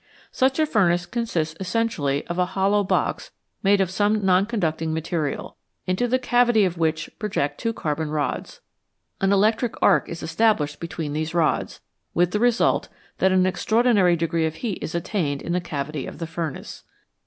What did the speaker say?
Such a furnace consists essentially of a hollow box made of some non conducting material, into the cavity of which project two carbon rods. An electric arc is established between these rods, with the result that an extraordinary degree of heat is attained in the cavity of the furnace.